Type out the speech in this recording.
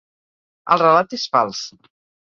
El relat és fals.